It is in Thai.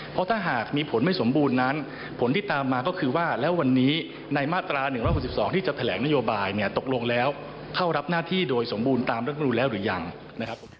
เพราะถ้าหากมีผลไม่สมบูรณ์นั้นผลที่ตามมาก็คือว่าแล้ววันนี้ในมาตรา๑๖๒ที่จะแถลงนโยบายเนี่ยตกลงแล้วเข้ารับหน้าที่โดยสมบูรณ์ตามรัฐมนูลแล้วหรือยังนะครับ